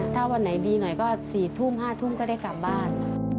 ถ้าวันไหนดีหน่อยก็๔ทุ่ม๕ทุ่มก็ได้กลับบ้าน